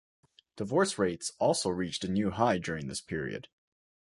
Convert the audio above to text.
Divorce rates also reached a new high during this period.